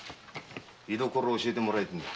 居所を教えてもらいてえんだ。